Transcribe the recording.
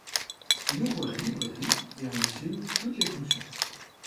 Il ouvre la librairie, et en assume toutes les fonctions.